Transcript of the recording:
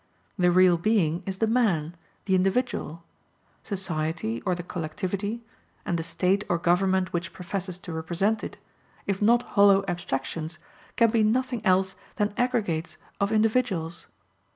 The real being is the man, the individual; society or the collectivity, and the State or government which professes to represent it, if not hollow abstractions, can be nothing else than aggregates of individuals.